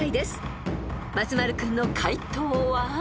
［松丸君の解答は？］